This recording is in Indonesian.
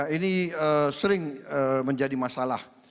ini sering menjadi masalah